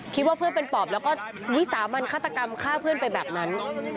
คิดว่าเพื่อนเป็นปอบแล้วก็วิสามันฆาตกรรมฆ่าเพื่อนไปแบบนั้น